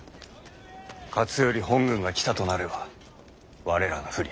勝頼本軍が来たとなれば我らが不利。